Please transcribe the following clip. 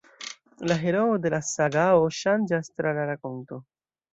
La heroo de la sagao ŝanĝas tra la rakonto.